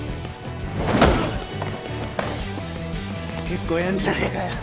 結構やんじゃねえかよ。